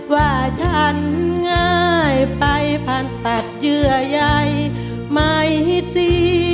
ว่าฉันง่ายไปผ่าตัดเยื่อใยไม่ตี